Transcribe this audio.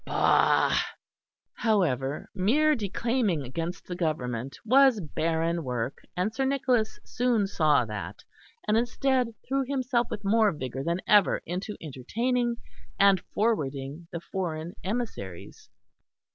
Bah!" However mere declaiming against the Government was barren work, and Sir Nicholas soon saw that; and instead, threw himself with more vigour than ever into entertaining and forwarding the foreign emissaries.